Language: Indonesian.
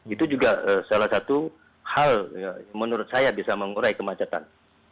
itu juga salah satu hal menurut saya bisa mengurai kemacetan